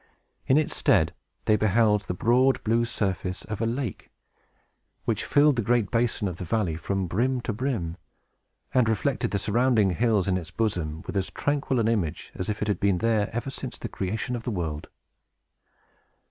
In its stead, they beheld the broad, blue surface of a lake, which filled the great basin of the valley from brim to brim, and reflected the surrounding hills in its bosom with as tranquil an image as if it had been there ever since the creation of the world.